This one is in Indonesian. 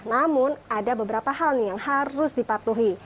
namun ada beberapa hal nih yang harus dipatuhi